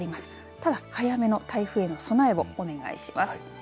ただ、早めの台風への備えをお願いします。